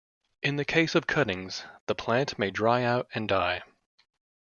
In the case of cuttings, the plant may dry out and die.